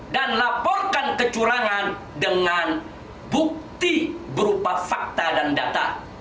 dan laporkan kecurangan dengan bukti berupa fakta dan data